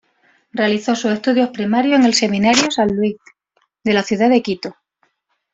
Realizó sus estudios primarios en el Seminario San Luis, de la ciudad de Quito.